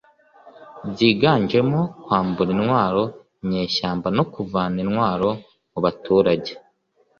byiganjemo kwambura intwaro inyeshyamba no kuvana intwaro mu baturage